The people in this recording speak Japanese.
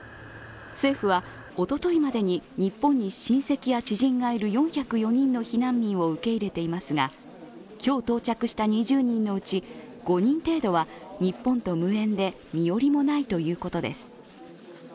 政府はおとといまでに日本に親戚や知人がいる４０４人の避難民を受け入れていますが今日到着した２０人のうち、５人程度は日本と無縁で身寄りもないということです。